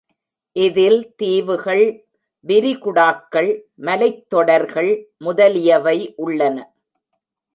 இதில் தீவுகள், விரிகுடாக்கள், மலைத் தொடர்கள் முதலியவை உள்ளன.